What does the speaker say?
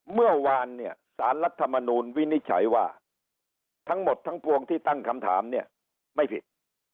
เมื่อวานเนี่ยสารรัฐมนูลวินิจฉัยว่าทั้งหมดทั้งปวงที่ตั้งคำถามเนี่ยไม่ผิด